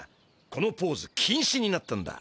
このポーズきんしになったんだ。